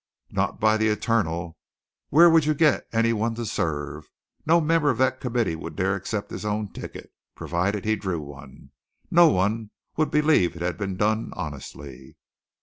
Not by the eternal! Where would you get any one to serve? No member of that committee would dare accept his own ticket, provided he drew one. No one would believe it had been done honestly.